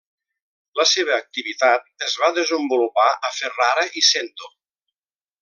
La seva activitat es va desenvolupar a Ferrara i Cento.